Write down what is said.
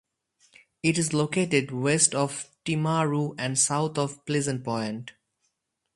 It is located west of Timaru and south of Pleasant Point.